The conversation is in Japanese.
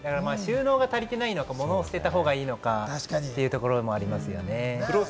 収納が足りてないのか、物を捨てたほうがいいのかっていうのもありますよね。